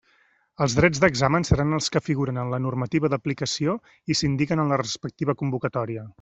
Els drets d'examen seran els que figuren en la normativa d'aplicació i s'indiquen en la respectiva convocatòria.